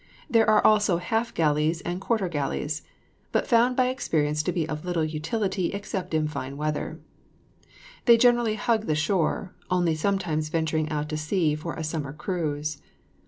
There are also half galleys and quarter galleys, but found by experience to be of little utility except in fine weather. They generally hug the shore, only sometimes venturing out to sea for a summer cruise.